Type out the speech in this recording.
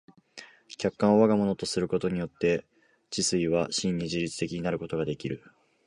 客観を我が物とすることによって思惟は真に自律的になることができる。